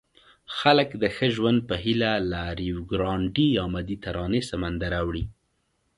خلک د ښه ژوند په هیله له ریوګرانډي یا مدیترانې سمندر اوړي.